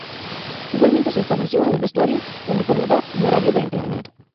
Igualmente se estableció el vestuario, uniformidad y horario de entrenamiento.